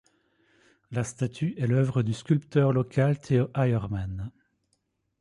La statue est l’œuvre du sculpteur local Theo Heiermann.